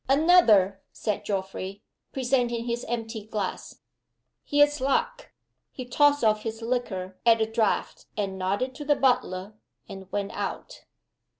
"Another!" said Geoffrey, presenting his empty glass. "Here's luck!" He tossed off his liquor at a draught, and nodded to the butler, and went out.